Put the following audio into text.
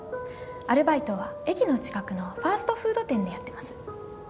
アルバイトは駅の近くのファストフード店でやってます。